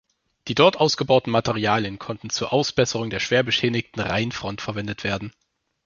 Die dort ausgebauten Materialien konnten zur Ausbesserung der schwer beschädigten Rheinfront verwendet werden.